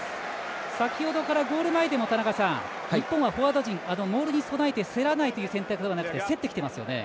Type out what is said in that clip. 先ほどからゴール前での日本はフォワード陣、モール競らないという選択ではなくて競ってきてますよね。